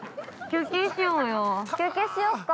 ◆休憩しようか。